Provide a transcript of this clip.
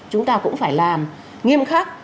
chúng ta cũng phải làm nghiêm khắc